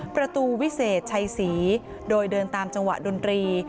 วิเศษชัยศรีโดยเดินตามจังหวะดนตรี